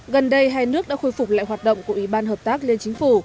gần đây hai nước đã khôi phục lại hoạt động của ủy ban hợp tác liên chính phủ